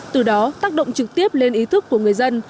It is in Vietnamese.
từ đó tác động trực tiếp lên ý thức của người dân